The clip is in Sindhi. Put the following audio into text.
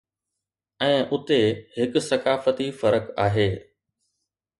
۽ اتي هڪ ثقافتي فرق آهي